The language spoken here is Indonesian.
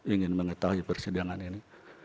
ingin mengetahui persidangan ini